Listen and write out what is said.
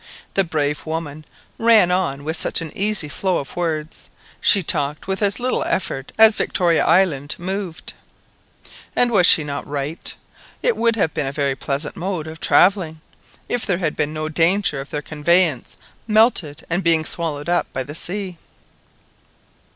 The brave woman ran on with such an easy flow of words, she talked with as little effort as Victoria Island moved. And was she not right? It would have been a very pleasant mode of travelling if there had been no danger of their conveyance melting and being swallowed up by the sea.